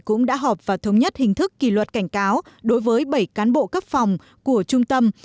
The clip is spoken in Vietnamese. cũng đã họp và thống nhất hình thức kỷ luật cảnh cáo đối với bảy cán bộ cấp phòng của trung tâm